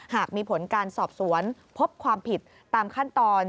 หากมีผลการสอบสวนพบความผิดตามขั้นตอน